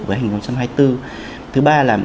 của năm hai nghìn hai mươi bốn thứ ba là